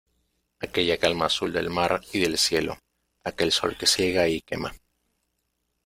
aquella calma azul del mar y del cielo, aquel sol que ciega y quema ,